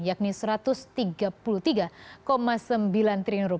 yakni rp satu ratus tiga puluh tiga sembilan triliun